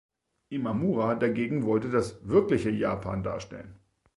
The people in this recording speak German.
Imamura dagegen wollte das „wirkliche“ Japan darstellen.